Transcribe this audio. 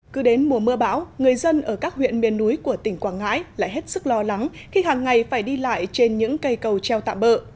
cứ đến mùa mưa bão người dân ở các huyện miền núi của tỉnh quảng ngãi lại hết sức lo lắng khi hàng ngày phải đi lại trên những cây cầu treo tạm bỡ